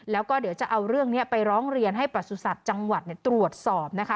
แล้วก็เดี๋ยวจะเอาเรื่องนี้ไปร้องเรียนให้ประสุทธิ์จังหวัดตรวจสอบนะคะ